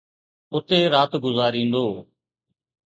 اتي رات گذاريندو.